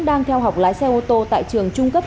đang theo học lái xe ô tô tại trường trung cấp